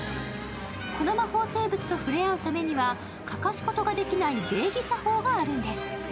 この魔法生物と触れ合うためには、欠かすことができない礼儀作法があるんです。